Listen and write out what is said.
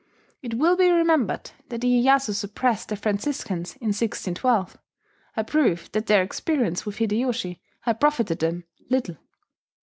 It will be remembered that Iyeyasu suppressed the Franciscans in 1612, a proof that their experience with Hideyoshi had profited them little.